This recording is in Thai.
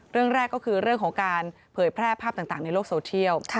เรื่องแรกก็คือเรื่องของการเผยแพร่ภาพต่างในโลกโซเทียล